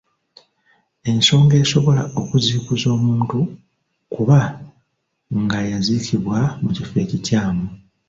Ensonga esobola okuziikuza omuntu kuba nga yaziikibwa mu kifo ekikyamu.